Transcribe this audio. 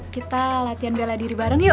kita latihan bela diri bareng yuk